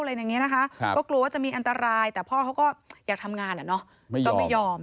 และกลัวว่าจะมีอันตรายแต่พ่อเขาก็อยากทำงานไม่ยอม